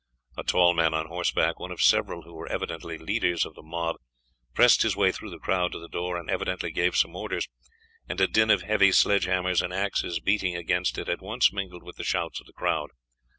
A tall man on horseback, one of several who were evidently leaders of the mob, pressed his way through the crowd to the door and evidently gave some orders, and a din of heavy sledge hammers and axes beating against it at once mingled with the shouts of the crowd.